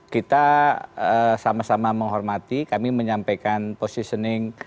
kita sama sama menghormati kami menyampaikan positioning